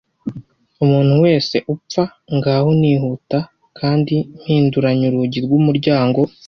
Umuntu wese upfa, ngaho nihuta kandi mpinduranya urugi rw'umuryango.